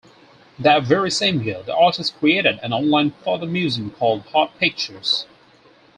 That very same year, the artist created an online photo museum called "Hot Pictures".